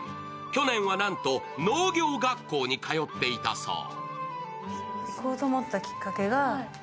去年はなんと農業学校に通っていたそう。